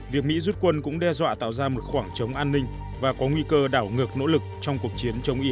việc mỹ rút quân cũng đe dọa tạo ra một khoảng trống an ninh và có nguy cơ đảo ngược nỗ lực trong cuộc chiến chống is